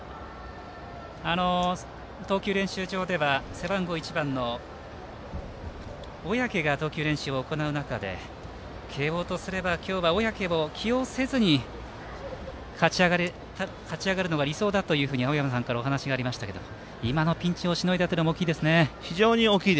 投球練習場では背番号１番の小宅が投球練習を行う中で慶応とすれば今日は小宅を起用せずに勝ち上がるのが理想だというふうに青山さんからお話がありましたけれども今のピンチをしのいだのは大きいですね。